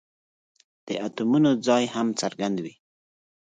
د اتومونو ځای هم څرګندوي.